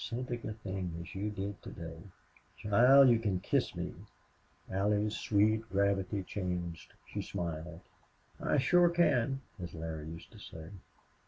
so big a thing as you did today!" "Child! You can kiss me." Allie's sweet gravity changed. She smiled. "I shore can, as Larry used to say.